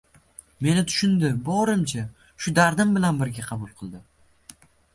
Meni tushundi, borimcha, shu dardim bilan birga qabul qildi